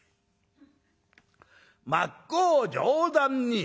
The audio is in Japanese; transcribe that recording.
「真っ向上段に」。